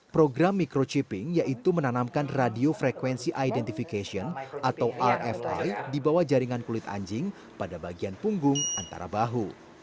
program microchipping yaitu menanamkan radio frequency identification atau rfi di bawah jaringan kulit anjing pada bagian punggung antara bahu